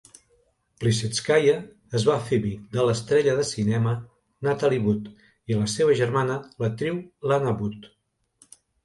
Plisetskaya es va fer amic de l'estrella de cinema Natalie Wood i la seva germana, l'actriu Lana Wood.